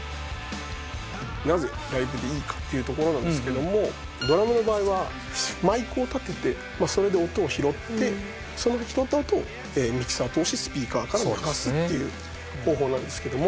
なぜライブでいいかっていうところなんですけどもドラムの場合はマイクを立ててそれで音を拾ってその拾った音をミキサーを通してスピーカーから流すっていう方法なんですけども。